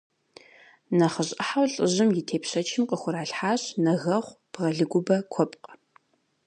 Нэхъыжь ӏыхьэу лӏыжьым и тепщэчым къыхуралъхьащ нэгэгъу, бгъэлыгубэ, куэпкъ.